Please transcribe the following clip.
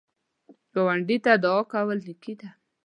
ګاونډي ته دعا کول نیکی ده